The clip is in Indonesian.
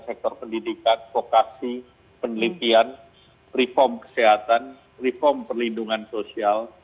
sektor pendidikan vokasi penelitian reform kesehatan reform perlindungan sosial